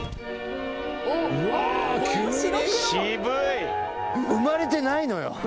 生まれてないのよ。